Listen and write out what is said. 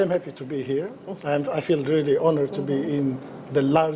saya sangat senang berada di negara islam yang paling besar